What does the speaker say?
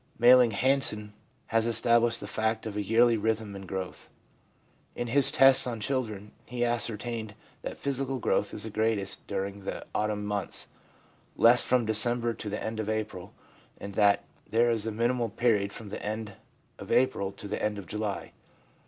Malling Hansen has established the fact of a yearly rhythm in growth. In his tests on children, he ascertained that physical growth is greatest during the autumn months, less from December to the end of April, and that there is a minimal period from the end of April to the end of July.